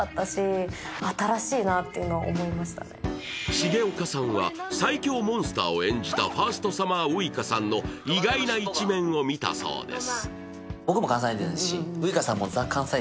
重岡さんは最凶モンスターを演じたファーストサマーウイカさんの意外な一面を見たそうです。